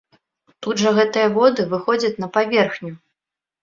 Тут жа гэтыя воды выходзяць на паверхню!